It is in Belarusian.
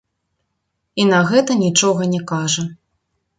І на гэта нічога не кажа.